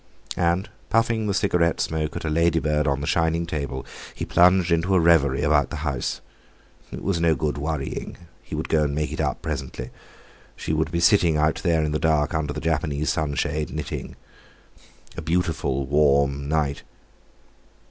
And, puffing the cigarette smoke at a lady bird on the shining table, he plunged into a reverie about the house. It was no good worrying; he would go and make it up presently. She would be sitting out there in the dark, under the Japanese sunshade, knitting. A beautiful, warm night....